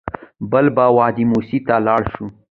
بل به وادي موسی ته لاړ شو.